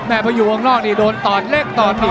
อันดับสุดท้าย